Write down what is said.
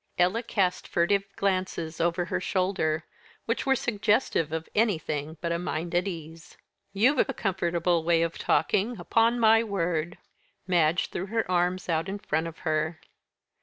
Ella cast furtive glances over her shoulder, which were suggestive of anything but a mind at ease. "You've a comfortable way of talking, upon my word." Madge threw her arms out in front of her.